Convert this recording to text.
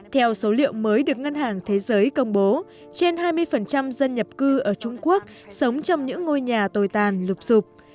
theo số liệu mới được ngân hàng thế giới công bố trên hai mươi dân nhập cư ở trung quốc sống trong những ngôi nhà tồi tàn lụp sụp